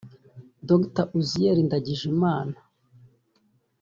Dr Uzziel Ndagijimana